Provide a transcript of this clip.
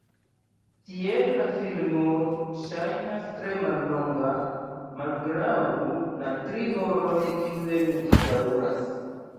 Tiel la filmo ŝajnas tre mallonga malgraŭ la tri horoj kiujn ĝi daŭras.